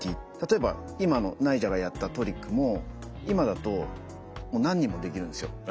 例えば今のナイジャがやったトリックも今だともう何人もできるんですよ。